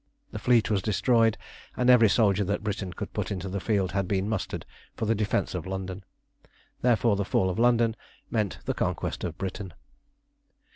The fleet was destroyed, and every soldier that Britain could put into the field had been mustered for the defence of London. Therefore the fall of London meant the conquest of Britain.